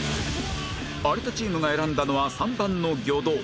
有田チームが選んだのは３番の魚道